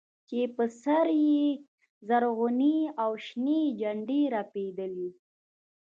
چې پر سر يې زرغونې او شنې جنډې رپېدلې.